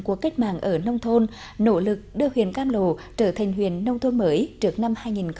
quốc kết mạng ở nông thôn nỗ lực đưa huyện cam lô trở thành huyện nông thôn mới trước năm hai nghìn hai mươi